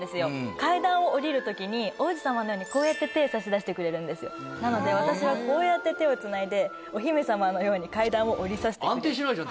階段を下りるときに王子様のようにこうやって手差し出してくれるんですよなので私はこうやって手をつないでお姫様のように階段を下りさせて安定しないじゃん